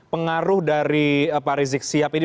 pengaruh dari pak rizik sihab ini